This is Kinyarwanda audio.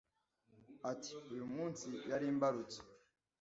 Ati” Uyu munsi yari imbarutso